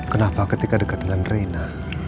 kenapa ketika dekat dengan reina